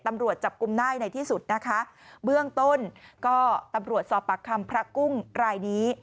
ตำรวจจับกลุ่มได้ในที่สุดนะคะเบื้องต้นก็ตำรวจสอบปากคำพระกุ้งรายนี้